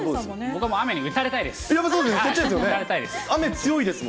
僕は雨に打たれたいです。